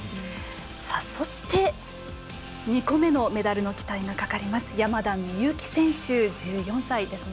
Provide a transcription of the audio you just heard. そして２個目のメダルの期待がかかります山田美幸選手、１４歳ですね。